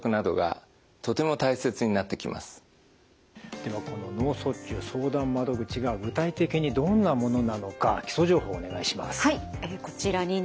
ではこの脳卒中相談窓口が具体的にどんなものなのか基礎情報をお願いします。